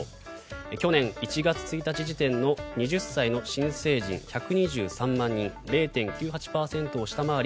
去年１月１日時点の２０歳の新成人１２３万人、０．９８％を下回り